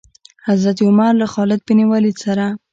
حضرت عمر له خالد بن ولید سره.